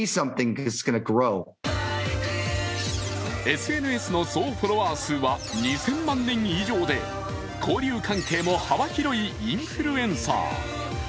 ＳＮＳの総フォロワー数は２０００万人以上で交流関係も幅広いインフルエンサー。